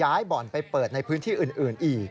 บ่อนไปเปิดในพื้นที่อื่นอีก